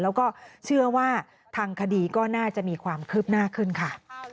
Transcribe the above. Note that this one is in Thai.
แล้วก็เชื่อว่าทางคดีก็น่าจะมีความคืบหน้าขึ้นค่ะ